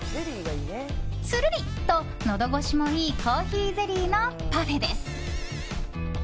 つるりと、のど越しもいいコーヒーゼリーのパフェです。